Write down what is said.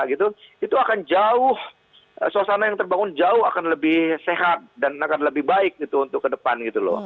itu akan jauh suasana yang terbangun jauh akan lebih sehat dan akan lebih baik untuk ke depan gitu loh